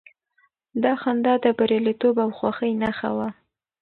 دا خندا د برياليتوب او خوښۍ نښه وه.